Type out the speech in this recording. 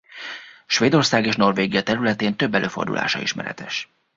Svédország és Norvégia területén több előfordulása ismeretes.